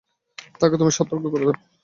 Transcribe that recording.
তাকে তুমি সতর্ক করে দাও।